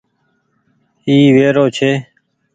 اي ويرو ڇي۔